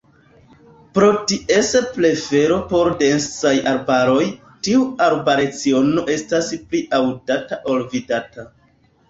Pro ties prefero por densaj arbaroj, tiu arbalciono estas pli aŭdata ol vidata.